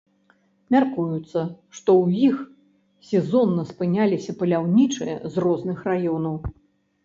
Мяркуецца, што ў іх сезонна спыняліся паляўнічыя з розных раёнаў.